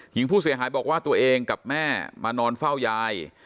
หญิงผู้เสียหายบอกว่าตัวเองกับแม่มานอนเฝ้ายาย